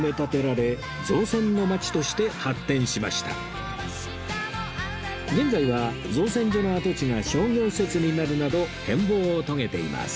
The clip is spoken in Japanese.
大正１２年の現在は造船所の跡地が商業施設になるなど変貌を遂げています